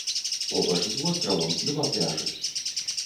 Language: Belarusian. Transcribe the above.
Побач з востравам два пляжы.